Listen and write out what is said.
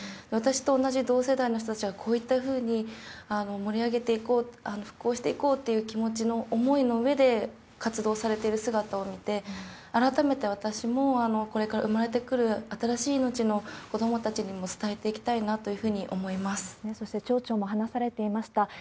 私と同じ同世代の人たちはこういったふうに盛り上げていこう、復興していこうっていう気持ちの思いのうえで活動されている姿を見て、改めて私も、これから産まれてくる新しい命の子どもたちにも伝えていきたいなそして町長も話されていました。